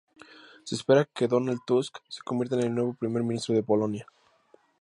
Se espera que Donald Tusk se convierta en el nuevo primer ministro de Polonia.